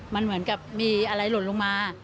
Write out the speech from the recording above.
มันเหมือนกับมีอะไรหล่นลงมา